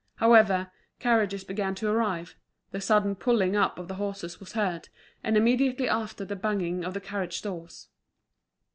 However, carriages began to arrive, the sudden pulling up of the horses was heard, and immediately after the banging of the carriage doors.